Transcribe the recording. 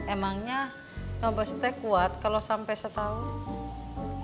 emangnya nyobes teh kuat kalo sampe setahun